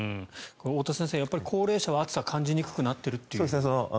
太田先生、高齢者は暑さを感じにくくなっているという。